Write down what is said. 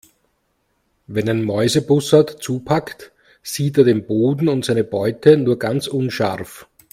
Wenn ein Mäusebussard zupackt, sieht er den Boden und seine Beute nur ganz unscharf.